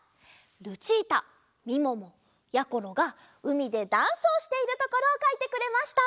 ルチータみももやころがうみでダンスをしているところをかいてくれました！